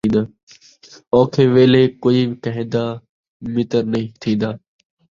اوکھے ویلھے کوئی کہیںدا مِتر نئیں تھیندا